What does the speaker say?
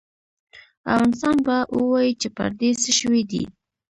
او انسان به ووايي چې پر دې څه شوي دي؟